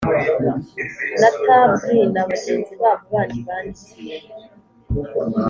na Tab li na bagenzi babo bandi bandikiye